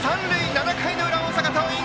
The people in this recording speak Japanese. ７回裏、大阪桐蔭！